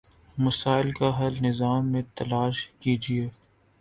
مسائل کا حل نظام میں تلاش کیجیے۔